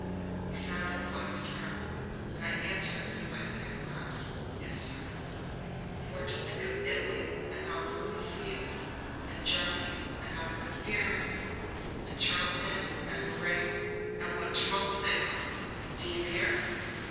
He sounded quite stern, and I answered as if I had been in class. "Yes, sir." "You are to think of Italy, and how blue the sea is and Germany, and how good the beer is and Charlie Ned and Lorraine, and what trumps they are. Do you hear?"